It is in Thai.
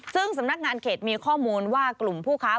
ซึ่งสำนักงานเขตมีข้อมูลว่ากลุ่มผู้ค้า